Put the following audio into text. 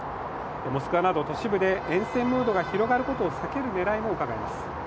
モスクワなど都市部でえん戦ムードが広がることを避ける狙いもうかがえます。